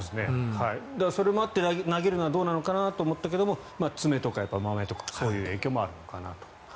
それもあって投げるのはどうかなと思ったけど爪とかまめとかそういう影響もあるのかなと。